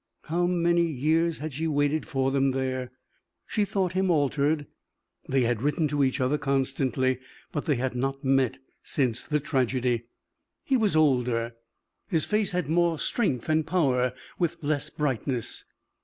How many years had she waited for him there! She thought him altered. They had written to each other constantly, but they had not met since the tragedy. He was older, his face had more strength and power, with less brightness.